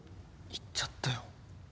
言っちゃったよ。